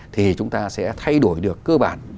thì chúng ta sẽ thay đổi được cơ bản